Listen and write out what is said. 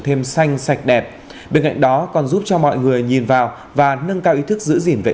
thêm xanh sạch đẹp bên cạnh đó còn giúp cho mọi người nhìn vào và nâng cao ý thức giữ gìn vệ